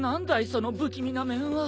その不気味な面は。